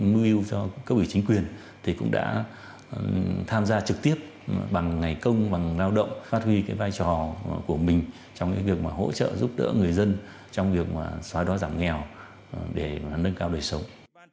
lực lượng công an cũng đã tham gia trực tiếp bằng ngày công bằng lao động phát huy cái vai trò của mình trong cái việc mà hỗ trợ giúp đỡ người dân trong việc mà xóa đói giảm nghèo để nâng cao đời sống